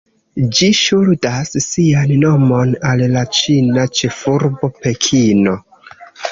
Ĝi ŝuldas sian nomon al la ĉina ĉefurbo Pekino.